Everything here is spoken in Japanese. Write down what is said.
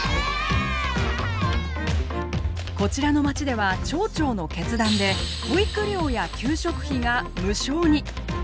こちらのまちでは町長の決断で保育料や給食費が無償に。